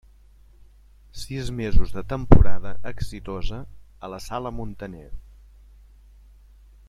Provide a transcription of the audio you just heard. Sis mesos de temporada exitosa a la sala Muntaner.